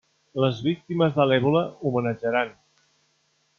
Les víctimes de l'èbola, homenatjaran!